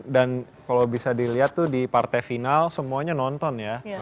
dan kalau bisa dilihat tuh di partai final semuanya nonton ya